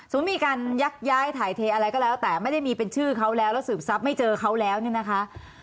มีการยักย้ายถ่ายเทอะไรก็แล้วแต่ไม่ได้มีเป็นชื่อเขาแล้วแล้วสืบทรัพย์ไม่เจอเขาแล้วเนี่ยนะคะ